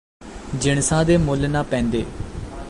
ਜਿਣਸਾਂ ਦੇ ਮੁੱਲ ਨਾ ਪੈਂਦੇ